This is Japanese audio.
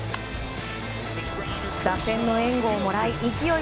打線の援護ももらい勢い